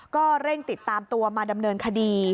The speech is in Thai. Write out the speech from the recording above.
ก็เร่งติดตามตัวมาดำเนินคดี